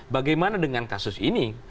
bagaimana dengan kasus ini